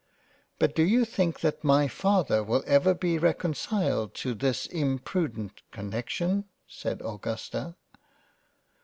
" But do you think that my Father will ever be reconcile to this imprudent connection ?" (said Augusta.)